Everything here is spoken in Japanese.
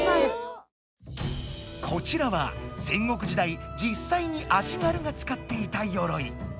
こちらは戦国時代実際に足軽が使っていたよろい。